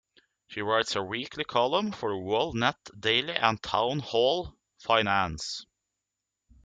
She writes a weekly column for "WorldNetDaily" and "Townhall Finance".